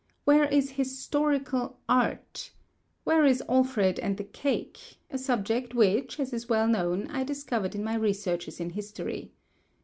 Where is historical Art? Where is Alfred and the Cake—a subject which, as is well known, I discovered in my researches in history.